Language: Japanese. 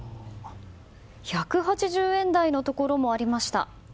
１８０円台のところもありました。